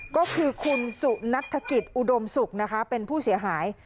ก็คือคุณสุนัฐกิจอุดมศุกร์นะคะเป็นผู้เสียหาย